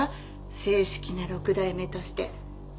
正式な６代目として。